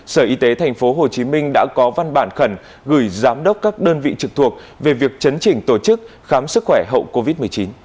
sở y tế tp hcm đã có văn bản khẩn gửi giám đốc các đơn vị trực thuộc về việc chấn chỉnh tổ chức khám sức khỏe hậu covid một mươi chín